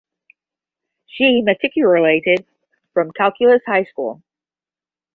She matriculated from Calculus High School.